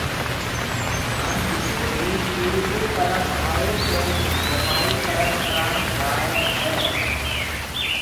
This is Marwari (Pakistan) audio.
ھان جڪو ڀِي پيلڪو پرٻ آيو تو جمائِي پرٻ ڪراڻ جائيَ ھيََََ